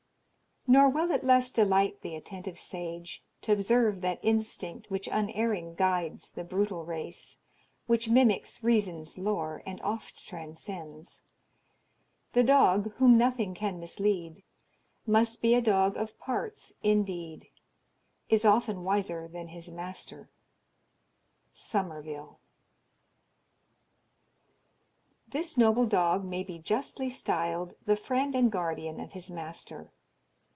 "Nor will it less delight th' attentive sage, T' observe that instinct which unerring guides The brutal race, which mimics reason's lore, And oft transcends. The dog, whom nothing can mislead, Must be a dog of parts indeed. Is often wiser than his master." SOMMERVILLE. This noble dog may be justly styled the friend and guardian of his master.